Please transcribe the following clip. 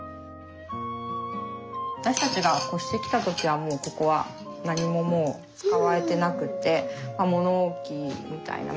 私たちが越してきた時はもうここは何ももう使われてなくて物置みたいな前の方のね。